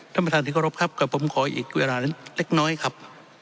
ท่านประธานครับก็ผมขออีกเวลานั้นเล็กน้อยครับ